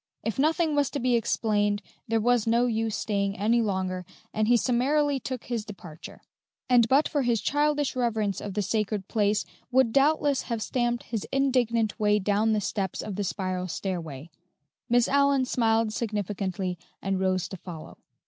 If nothing was to be explained, there was no use staying any longer, and he summarily took his departure; and but for his childish reverence for the sacred place would doubtless have stamped his indignant way down the steps of the spiral stairway. Miss Allyn smiled significantly and rose to follow.